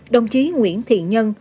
đồng chí nguyễn thiện nhân